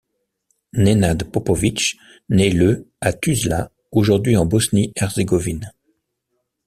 Nenad Popović naît le à Tuzla, aujourd'hui en Bosnie-Herzégovine.